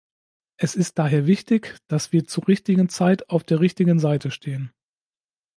Es ist daher wichtig, dass wir zur richtigen Zeit auf der richtigen Seite stehen.